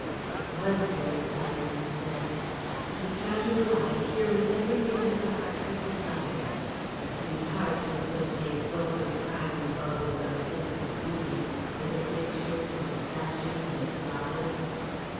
It was very silent then. To the casual eye here was everything that the heart could desire. It seemed hard to associate vulgar crime with all this artistic beauty, with the pictures and statues and flowers.